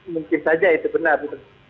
mungkin saja itu benar